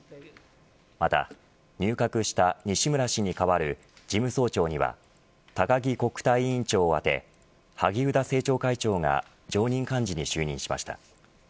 また、入閣した西村氏に代わる事務総長には高木国対委員長をあて萩生田政調会長が常任幹事に就任しました。